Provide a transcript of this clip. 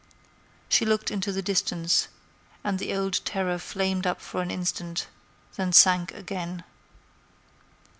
She looked into the distance, and the old terror flamed up for an instant, then sank again.